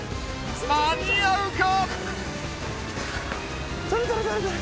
間に合うか！？